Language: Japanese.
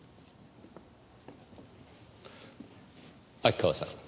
秋川さん